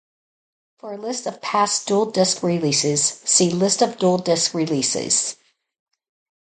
For a list of past DualDisc releases, see "List of DualDisc releases".